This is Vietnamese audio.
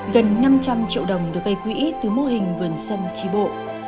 gần năm trăm linh triệu đồng được gây quỹ từ mô hình vườn sân chi bộ